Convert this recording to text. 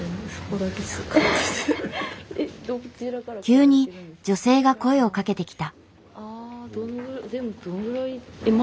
急に女性が声をかけてきた。